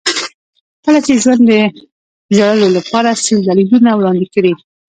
کله چې ژوند د ژړلو لپاره سل دلیلونه وړاندې کړي.